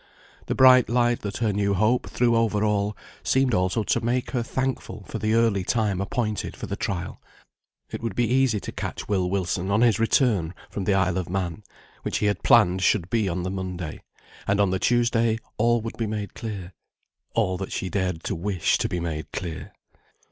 The bright light that her new hope threw over all seemed also to make her thankful for the early time appointed for the trial. It would be easy to catch Will Wilson on his return from the Isle of Man, which he had planned should be on the Monday; and on the Tuesday all would be made clear all that she dared to wish to be made clear.